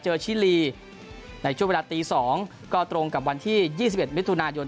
เจอชิลีในช่วงเวลาตีสองก็ตรงกับวันที่ยี่สิบเอ็ดมิถุนายน